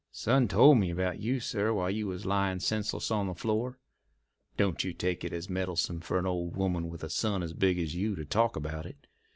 Son told me about you, sir, while you was layin' senseless on the floor. Don't you take it as meddlesome fer an old woman with a son as big as you to talk about it.